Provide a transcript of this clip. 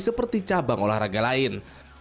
seperti cabang olahraga lain